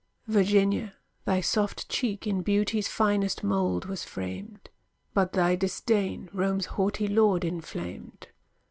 Virginia, thy soft cheek In Beauty's finest mould was framed; But thy disdain Rome's haughty lord inflamed.